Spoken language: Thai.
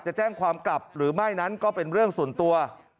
จะแจ้งความกลับหรือไม่นั้นก็เป็นเรื่องส่วนตัว